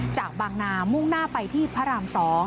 จากบางนามุ่งหน้าไปที่พระราม๒